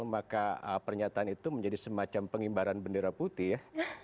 maka pernyataan itu menjadi semacam pengibaran bendera putih ya